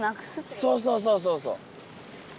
そうそうそうそうそう。